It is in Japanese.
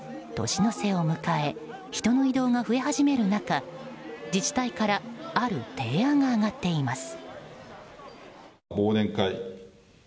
年の瀬を迎え人の移動が増え始める中自治体からある提案が上がっています。